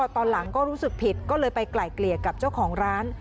ตอนหลังก็รู้สึกผิดก็เลยไปไกลเกลี่ยกับเจ้าของร้าน